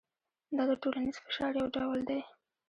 دا د ټولنیز فشار یو ډول دی.